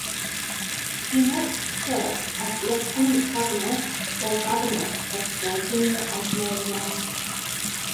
He next served as lieutenant governor or governor of Virginia and Maryland.